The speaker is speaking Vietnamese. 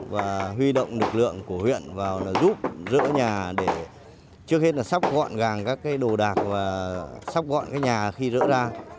và huy động lực lượng của huyện vào giúp rỡ nhà trước hết là sắp gọn gàng các đồ đạc và sắp gọn nhà khi rỡ ra